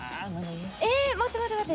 ええっ待って待って待って。